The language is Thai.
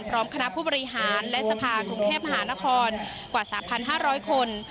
พร้อมคณะผู้บริหารและสภากรุงเทพมหานครกว่า๓๕๐๐คน